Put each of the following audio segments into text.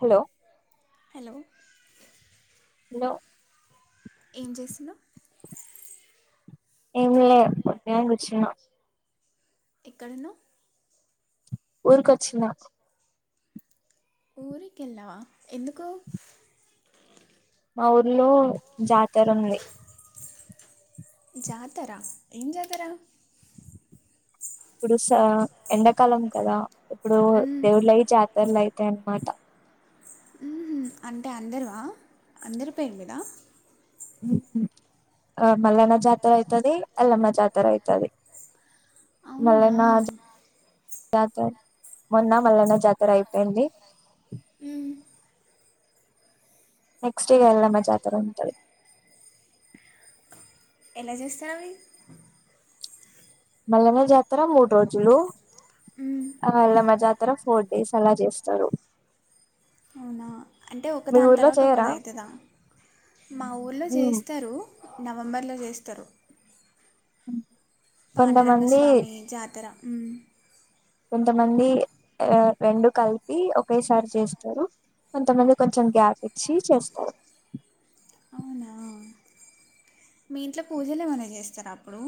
Hello hello లో ఏం జేస్సున్నవ్ ఏంలే [unintelligible] గుచ్చున్న ఎక్కడున్నవ్ ఊర్ కొచ్చిన ఊరికెళ్ళావా ఎందుకు మా ఊర్ లో జాతర ఉంది జాతరా ఏం జాతరా ఇప్పుడుస ఎండాకాలం కదా ఇప్పుడు మ్మ్. దేవుళ్లయి జాతరలు అయి తెన్ మాత మ్మ్ హ్మ్ అంటే అందరువా అందరి పేరు మీద మ్మ్ హ్మ్ ఆ మల్లన్న జాతర అయితది, ఎల్లమ్మ జాతర అయితది. అవునా మల్లన్న జాతర మొన్న మల్లన్న జాతర అయిపోయింది. మ్మ్. నెక్ట్స్ ఇగ ఎల్లమ్మ జాతర ఉంటది ఎలా జేస్తారు అవి మల్లన్న జాతర మూడు రోజులు మ్మ్. ఆ ఎల్లమ్మ జా అర ఫోర్ డేస్ అలా చేస్తారు అవునా అంటే ఒక మీ దాని ఊర్లో తర్వాత చేయరా ఒకదా అవుతుందా మా ఊర్లో చేస్తారు నవంబర్లో చేస్తారు కొంతమంది పాడురంగస్వామి జాతర అ కొంతమంది రెండు కలిపి ఒకేసారి చేస్తారు కొంతమంది కొంచెం గ్యాప్ ఇ ఇచ్చి చేస్తారు అవునా మీ ఇంట్లో పూజలు ఏమనా చేస్తారా అప్పుడు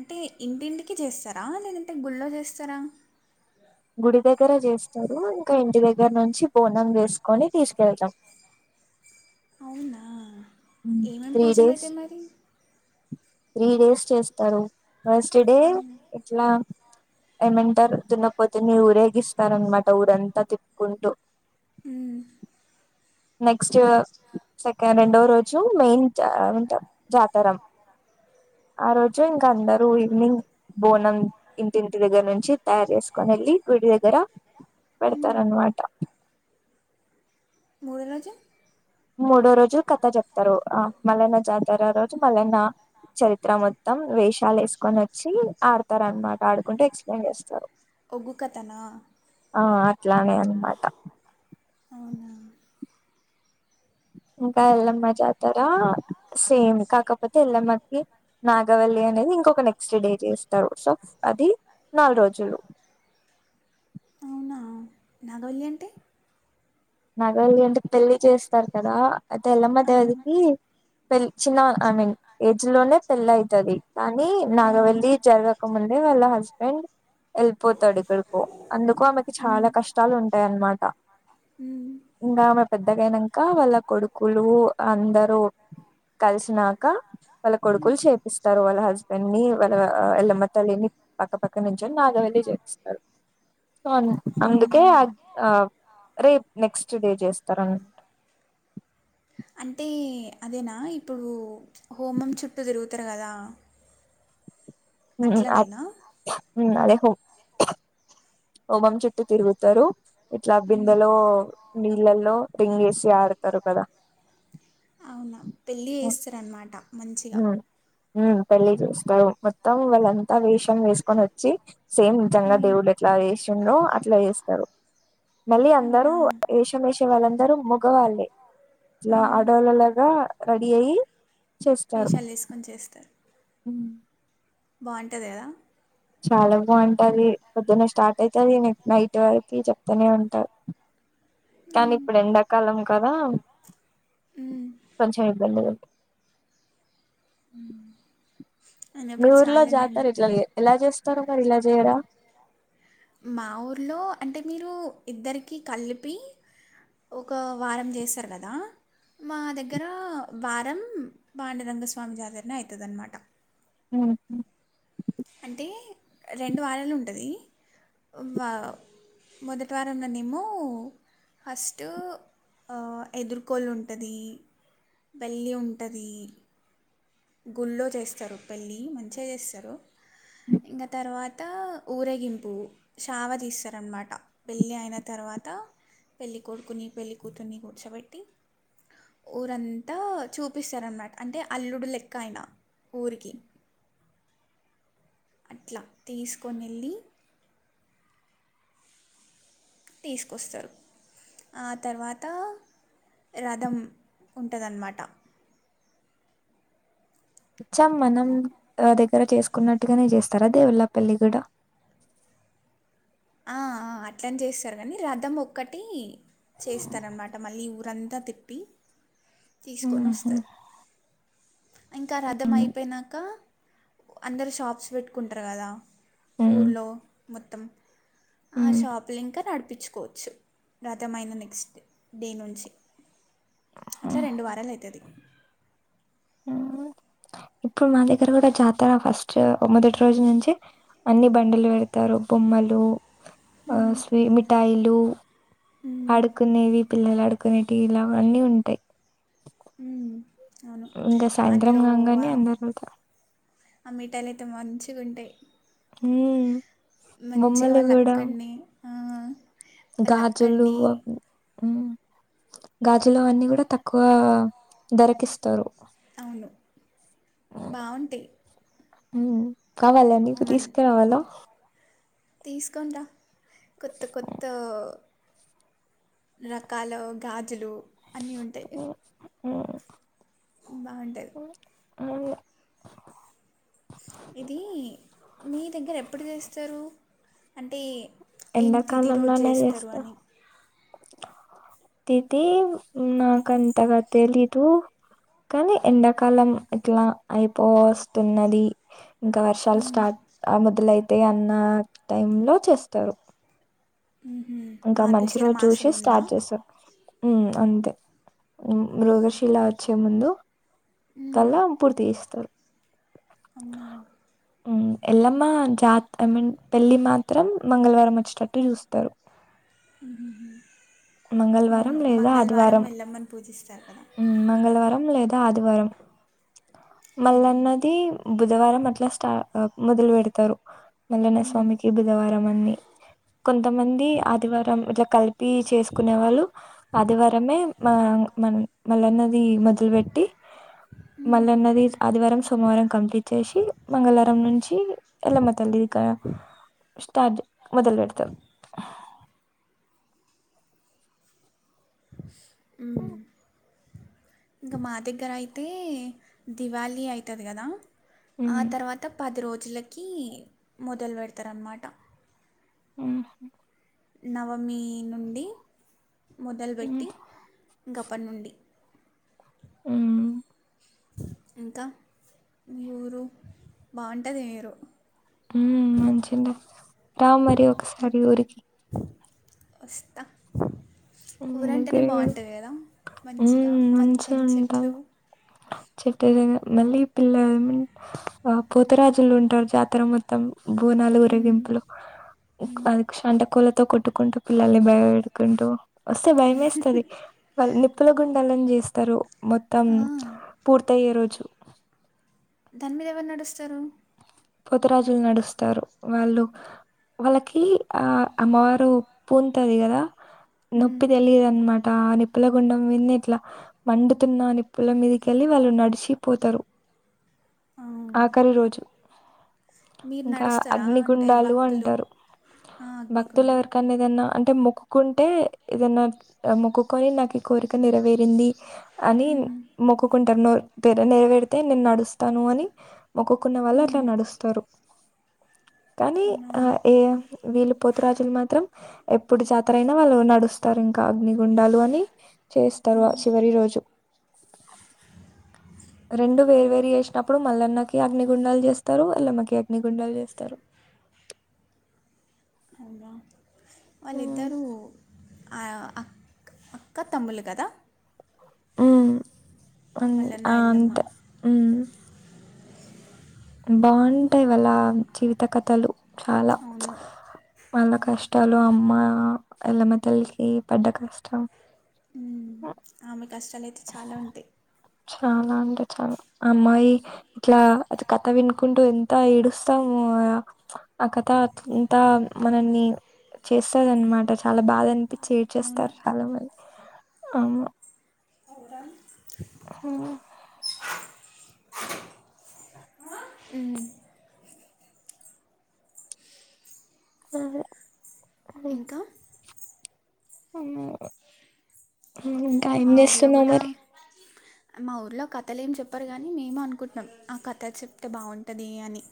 అంటే ఇంటింటికి చేస్తారా లేదంటే గుళ్ళో చేస్తారా గుడి దగ్గర చేస్తారు ఇంకా ఇంటి దగ్గర వచ్చి బోనం వేసుకొని తీసుకెళ్తాం అవునా ఏమేమి త్రీ పూజలు డేస్ అయితమరి త్రీ డేస్ చేస్తారు ఫస్ట్ డే అవునా ఎట్లా ఏమంటారు దున్నకపోతే న ఊరేగిస్తారనమాట ఊరంతా తిప్పుకుంటూ హ నెక్స్ట్ సెకండ్ రెండో [unintelligible] జాతరం ఆ రోజు అందరూ ఈవినింగ్ బోనం ఇంటింటి దగ్గర నుంచి తయారు చేసుకొని వెళ్ళి గుడి దగ్గర మ్మ్. పెడతారు అన్నమాట. మూడో రోజు మూడో రోజు కథ చెప్తారు ఆ మల్లన్న జాతర రో మల్లన్న చరిత్ర మొత్తం వేష్ చాల వేసుకొని వచ్చి ఆడతారన్నమాట ఆడుకుంటూ ఎక్స్ప్లెయిన్ చేస్తారు. ఒగ్గు కథనా ఆ ఇట్లానే అన్నమాట అవునా ఇంకా ఎల్లమ్మ జాతర సేమ్ కాకపోతే ఎల్లమ్మకి నాగవల్లి అనేది ఇంకొక నెక్స్ట్ డే చేస్తారు సో అది నాలు రోజులు. అవునా నాగవల్లి అంటే నాగవల్లి అంటే పెళ్లి చేస్తారు కదా అది ఎల్లమ్మ ఆ, దేవతకి పెళ్ చిన్న ఐ మీన్ ఏజ్ లోనే పెళ్ళైతది. కానీ ఆ, నాగవెల్లి జరగకముందే వాళ్ళ హస్బెం ఔ వెళ్ళిపోతాడు ఎక్కడికో అందుకు ఆమెకి మ్మ్, చాలా కష్టాలు ఉంటాయి అన్నమాట. మ్మ్. ఇంకామె పెద్దగా అయినంక వాళ్ళ కొడుకులు అందరూ కలిసినాక వాళ్ళ కొడుకులు చేపిస్తారు వాళ్ళ హస్బెండ్ ని వాళ్ళ ఆ ఎల్లమ్మ తల్లిని పక్కపక్క నుంచి నాగవల్లి చేపిస్తారు. అవునా అందుకే ఆ రేపు నెక్స్ట్ డే చేస్తార అంటే అదేనా ఇ ఇప్పుడు హోమం చుట్టూ తిరుగుతరు గదా ఊహూ అ అదే హో హోమం చుట్టూ తిరుగుతారు. ఇట్లా మ్మ్. బిందెలో నీళ్ళల్లో రింగేసి ఆడతారు కదా అవునా పెళ్ళి చేస్తారనమాట. మంచిగా హ్మ్ పెళ్లి చేస్తారు మొత్తం వాళ్ళంతా వేషం వేసుకొని వచ్చి సేమ్ జంగా ఉమ్ దేవుడు ఎట్లా చేసిండో అ ఇట్లా చేస్తారు మళ్ళీ అందరూ అవునా వేషం వేసే వాళ్ళందరూ మగవాళ్ళే ఆ ఇట్లా ఆడోళ్ళ లాగా రెడీ అయి వేషాలు వేసుకొని చేస్తారు. హ్మ్ బావుంటది కదా. చాలా బావుంటది పొద్దున్నే స్టార్ట్ అయితది. న నైట్ వరకు చెప్తూనే ఉంటారు. కానీ ఇప్పుడు ఎండాకాలం కదా ఉమ్ కొంచెం ఇబ్బంది మ్మ్ మీ ఊర్లో జాతరు ఇట్లాగ ఎలా చేస్తారు మీరిట్లా జేయరా మా ఊర్లో అంటే మీరు ఇద్దరికీ కలిపి ఒక వారం జేస్సారు కదా మా దగ్గర వారం పాండురంగ స్వామి జాతర నే అయితది అన్నమాట మ్మ్ హ్మ్ అంటే రెండు వారాలు ఉంటది. వా మొదటి వారంలోనేమో ఫస్ట్ ఆ ఎదుర్కోళ్ ఉంటది వళ్లి ఉంటది. గుళ్ళో చేస్తారు పెళ్ళి మంచిగా చేస్సరు, ఇంగ తర్వాత ఊరేగింపు చావ తీస్తారనమాట పెళ్ళి అయిన తర్వాత పెళ్ళి కొడుకుని, పెళ్ళి కూతుర్ని కూర్చోబెట్టి ఊరంతా చూపిస్తారనమాట అంటే అల్లుడు లెక్ కైనా ఊరికి అట్లా తీసుకొని వెళ్ళి తీసుకొస్తారు ఆ తర్వాత రథం ఉంటదన్నమాట ఇచ్చాం మనం ఆ దగ్గర చేసుకున్నట్టుగానే చేస్తారా దేవుళ్ళ పెళ్ళి గూడ ఆ ఆ అట్లనే చేస్తారు గానీ రదం ఒక్కటి చేస్తారన్మాట మళ్ళీ వూ అంతాతిప్పి తీసుకొని వస్తర్ ఇంకా రదం అయిపోయినాక అందరు షాప్స్ పెట్టుకుంటరు గదా ఊర్లో మొత్తం ఆ షాపింగ్ క నడ్ పప్పించుకోవచ్చు రతమైన నెక్స్ట్ డే నుంచి అట్లా రెండు వారాలు అతది ఇప్పుడు మా దగ్గర కూడా జాతర ఫస్ట్ మొదటి రోజు నుంచే అన్ని బండలు పెడతారు బొమ్మలు ఆ మిఠయిలు ఆడుకునేవి పిల్లలు అడు క్ నటి ఇలా అన్నీ ఉంటాయి అవును ఇంకా సాయంత్రం కాంగానే అందులో అందరుత ఆ మిఠయిలు అయితే మంచిగా ఉంటాయి హ మంచిగా బొమ్మలు వాళ్ళ కూడా అక్కడిని ఆ, వాళ్ళ గాజులు అక్కడిని అవి గాజులువన్నీ కూడా తక్కువ దరకిస్తారు అవును బాగుంటాయి హమ్ కావాలా నీకు మన్ తీసుకరావాలా తీసుకొని రా కొత్త కొత్త రకాలో గాజులు అన్నీ ఉంటయ్ ఆ బావుంటది అను ఇదీ మీ దగ్గర ఎప్పుడు చేస్తరూ అంటీ ఎండాకాలంలోనే చేస్తార్ తిదీ నాకంతగ తెలీదు కాని ఎండాకాలం ఇట్ల అయిపోవస్తున్నది ఇంక వర్షాలు మ్మ్. స్టార్ట్ ఆ మొదలై తేయ్ అన్నా టైమ్ లో చేస్తరు మ్హూ. ఇంక మంచి మార్గశిర రోజు మాసం జుసి ఉందా స్టార్ట్ చేస్తర్ హమ్ అంతే మృగశిలా ఒచ్చే ముందు మ్మ్. తల్లం పుడ్ థిస్ తరు అవునా హమ్ ఎల్లమ్మా జాత్ ఐ మిన్ పెళ్ళి మాత్రం మంగళవారం ఒచ్చేటట్టు చూస్తరు మ్హుహు మంగళవారం లేదా ఆదివారం ఎల్లమ్మని పూజిస్తారు కదా హమ్ మంగళవారం లేదా ఆదివారం అవునా మల్లన్నది బుధవారం అట్ల స్టా అ మొదల్ వెడ్తరు మల్లన్న ఉమ్. స్వామికి బుధవారం అన్ని కొంతమంది ఆదివారం ఇట్ల కల్ప్ పీ చేస్కూనే వాళ్ళు ఆదివారమే మ మన్ మల్లన్నది మొదలు వెట్టి మల్లన్నది ఆదివారం, సోమవారం కంప్లీట్ జేశి మంగళారం నుంచి ఎల్లమ్మ తల్లి గా స్టార్ట్ మొదలు వెడ్తర్ [inaudible] ఉమ్ ఇంక మా దగ్గరైతే దివాళీ ఐతది గదా ఆ హ్మ్. తర్వాత పది రో లకి మొదలు వెడ్తరన్నమాట ఉహు నవమీ నుండి హ్మ్ మొదల్వెట్టి గప్పనుండి ఉమ్ ఇంకా మీ ఊరు బాగుంటది మీరు హమ్ మంచిదే రా మరి ఒకసారి ఊరికి వస్తా హ్మ్. ఊరంటేనే దగ్గరే గదా! బాగుంటది కదా మంచిగా హ్మ్. పచ్చని చెట్లు మంచిగుంటది. చెట్టు దగ్గర మళ్ళీ పిల్ల పోతరాజులు ఉంటారు జాతర మొత్తం బోనాలు ఉమ్. ఉరేగింపులు అది సంటకలు కొట్టుకుంటు పిల్లల్ని బయంపెట్టుకుంటూ వస్తే భయమేస్తది వాళ్ళ నిప్పుల గుండె కలం చేస్తరు మొత్తం ఆ, పూర్త అయ్యే రోజు దాని మీద ఎవరు నడుస్తరు పోతరాజులు నడుస్తారు వాళ్ళు వాళ్ళకి ఆ అమ్మావారు పూతది కదా ఉమ్. నొప్పి తెలీదన్ ఆ నిప్పుల గుండం వింది ఇట్ల మండుతున్న నిప్పుల మీదకెళ్ళి వాళ్ళు నడిచిపోతారు ఆ. ఆకలి రోజు మీరు ఇంకా నడుస్తారా అంటే అగ్నిగుండాలు భక్తులు అంటారు ఆ భక్తులు అగ్నికుండ ఎవరికన్న ఏదన్న అంటే మొక్కుకుంటే ఏదన్న మొక్కుకొని నాకు ఈ కోరిక నెరవేరింది అని ఉమ్, మొక్కకుం నెరవేడితే నేను నడుస్తాను అని మొక్కుకున్న వాళ్ళు ఉమ్, స్తారు కానీ అవునా ఆ ఏ వీళ్ళు పోతురాజులు మాత్రం ఎప్పుడు జాతర అయినా వాళ్ళు నడుస్తారు ఇంకా అగ్నిగుండాలు అని చేస్తారు ఆ ఉమ్, చివరి రోజు రెండు వేర్వేరు చేసినప్పుడు మల్లన్నకి ఏ అగ్నిగుండాలు చేస్తారు అల్లమ్మకి అగ్నిగుండాలు చేస్తారు అవునా వాళ్ళిద్దరూ అ అక్క తమ్ములు కదా హమ్ హమ్ మల్లన్న ఆ ఎల్లమ్మ అంతే ఉమ్ బాగుంటాయి వాళ్ల జీవిత కథలు అవును మళ్ళ కష్టాలు అమ్మ ఎల్లమ తల్లికి పడ్డ కష్టం ఆమె కష్టాలుయితే చాలా ఉంటాయి చాలా అంటే చాలా అమ్మాయి ఇట్లా కథ వినుకుంటూ ఎంత ఏడుస్తామో ఆ కథ అంతా మనని చేస్తద అన్నమాట చాలా బాధ అనిపించి అవును ఏడ్చేస్తారు చాలా మంది అవును అవు హ్మ్. ఆ ఉ అహ ఇంకా అమ్మో ఉమ్ ఇంకా ఏం మా ఊర్లో చేస్తున్నావు కూడా మరి మా ఊరిలో కథలు ఏం చెప్పరు కానీ, మేమే అనుకుంటున్నాం ఆ కథలు చెప్తే బాగుంటుంది అని.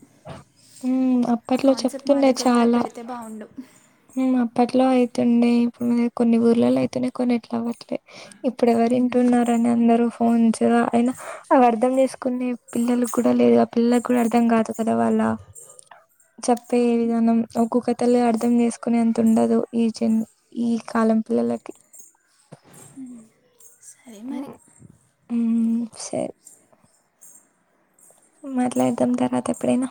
హమ్ ఆ అప్పట్లో కాన్సెప్ట్ మా చెప్తుండే దగ్గర కూడా చాలా పెడితే బాగుండు హ్మ్ అప్పట్లో అయితుండే ఇప్పుడు కొన్ని ఊర్లో అయితున్నాయి. కొన్ని ఎట్లా అవ్వట్లే ఇప్పుడు ఎవరు వింటున్నారని అందరూ ఫోన్స్ అయినా అవి అర్ధం చేసుకునే పిల్లలు కూడా లేదు. ఆ పిల్లకి కూడా అర్థం కాదు కదా. వాళ్ళ చెప్పే అవును విధానం ఒక్కొ కథలో అర్ధం చేసుకు కునే అంత ఉండదు ఈ జన్ ఈ కాలం పిల్లలకి సరే మరి ఉమ్ సరి మాట్లాడతం కదా ఎప్పుడైనా